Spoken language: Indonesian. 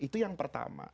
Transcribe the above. itu yang pertama